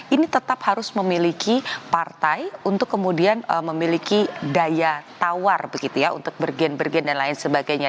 ini tetap harus memiliki partai untuk kemudian memiliki daya tawar begitu ya untuk bergen bergen dan lain sebagainya